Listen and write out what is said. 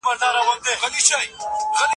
سترګي د رقیب دي سپلنی سي چي نظر نه سي